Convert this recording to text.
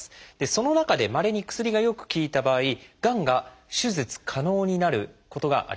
その中でまれに薬がよく効いた場合がんが手術可能になることがあります。